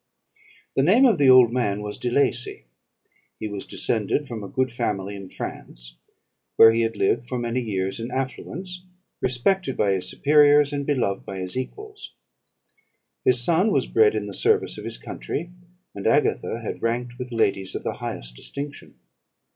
"The name of the old man was De Lacey. He was descended from a good family in France, where he had lived for many years in affluence, respected by his superiors, and beloved by his equals. His son was bred in the service of his country; and Agatha had ranked with ladies of the highest distinction.